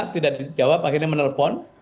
tidak dijawab akhirnya menelpon